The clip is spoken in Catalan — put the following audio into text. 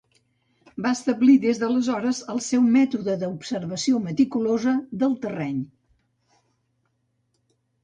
Va establir des d'aleshores el seu mètode d'observació meticulosa del terreny.